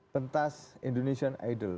pentas indonesian idol